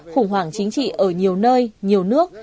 khủng hoảng chính trị ở nhiều nơi nhiều nước